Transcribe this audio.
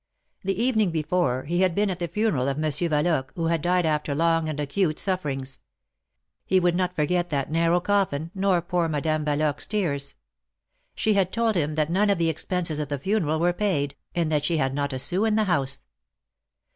The evening before he had been at the funeral of Mon sieur Valoque, who had died after long and acute suffer ings. He could not forget that narrow coffin, nor poor Madame Yaloque's tears. She had told him that none of the expenses of the funeral were paid, and that she had not a sou in the house.